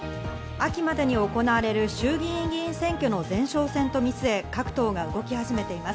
秋までに行われる衆議院議員選挙の前哨戦と見据え、各党が動き始めています。